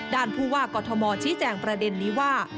ด้านผู้ว่ากฏมชี้แจ่งประเด็นนี้ว่า